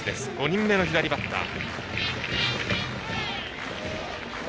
５人目の左バッター。